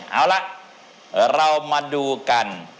เอาละเรามาดูกัน